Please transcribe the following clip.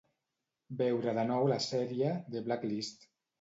Veure de nou la sèrie "The Blacklist".